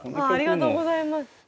ありがとうございます。